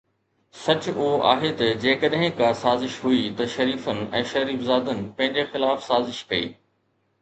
سچ اهو آهي ته جيڪڏهن ڪا سازش هئي ته شريفن ۽ شريفزادن پنهنجي خلاف سازش ڪئي.